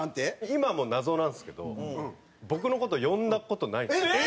今も謎なんですけど僕の事呼んだ事ないんですよ。